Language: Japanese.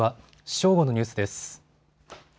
正午のニュースです。